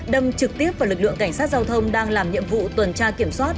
đâm trực tiếp vào lực lượng cảnh sát giao thông đang làm nhiệm vụ tuần tra kiểm soát